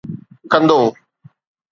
ڪندو